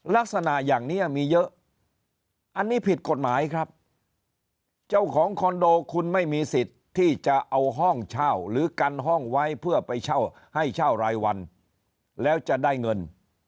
ลักษณะอย่างนี้มีเยอะอันนี้ผิดกฎหมายครับเจ้าของคอนโดคุณไม่มีสิทธิ์ที่จะเอาห้องเช่าหรือกันห้องไว้เพื่อไปเช่าให้เช่ารายวันแล้วจะได้เงิน